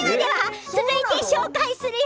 続いて紹介するよ